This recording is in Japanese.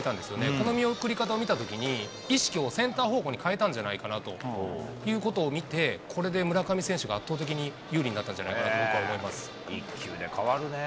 この見送り方を見たときに、意識をセンター方向に変えたんじゃないかということを見て、これで村上選手が圧倒的に有利になったんじゃないかなと、僕は思一球で変わるね。